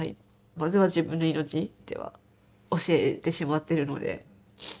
まずは自分の命」とは教えてしまってるので。